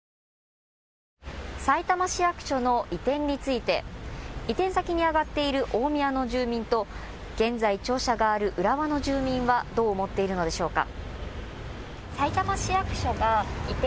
さいたま市役所の移転について移転先に挙がっている大宮の住民と現在、庁舎がある浦和の住民はどう思っているのでしょうか。